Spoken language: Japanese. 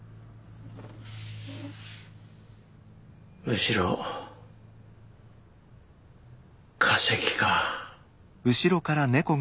むしろ化石か。